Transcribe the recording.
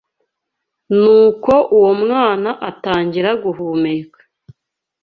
Nuko uwo mwana atangira guhumeka